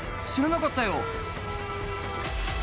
知らなかったよ。